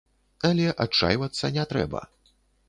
Але адчайвацца не трэба.